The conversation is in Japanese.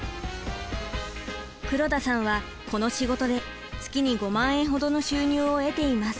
黒田さんはこの仕事で月に５万円ほどの収入を得ています。